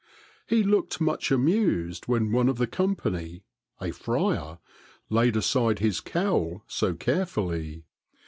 He looked much amused when one of the company, a friar, laid aside his cowl so carefully.